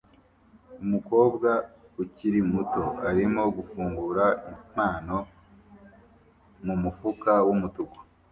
Umukobwa ukiri muto arimo gufungura impano mumufuka wumutuku